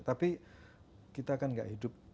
tapi kita kan gak hidup